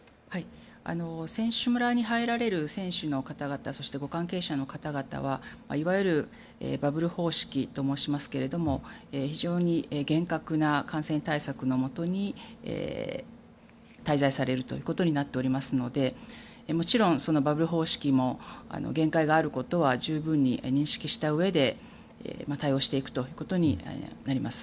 選手村に入られる選手の方々そしてご関係者の方々はいわゆるバブル方式と申しますけれども非常に厳格な感染対策のもとに滞在されるということになっておりますのでもちろん、バブル方式も限界があることは十分に認識したうえで対応していくことになります。